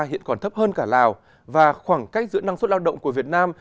hiện còn thấp hơn cả lào và khoảng cách giữa năng suất lao động của việt nam